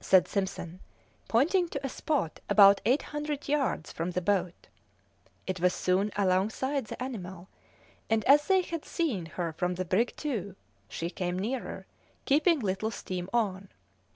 said Simpson, pointing to a spot about eight hundred yards from the boat. It was soon alongside the animal, and as they had seen her from the brig too, she came nearer, keeping little steam on.